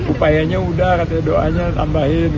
upayanya udah katanya doanya tambahin